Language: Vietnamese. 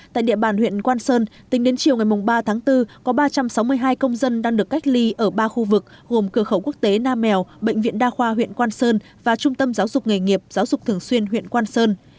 tại địa bàn huyện quang sơn tính đến chiều ngày ba tháng bốn có ba trăm sáu mươi hai công dân đang được cách ly ở ba khu vực gồm cửa khẩu quốc tế nam mèo bệnh viện đa khoa huyện quang sơn và trung tâm giáo dục nghề nghiệp giáo dục thường xuyên huyện quang sơn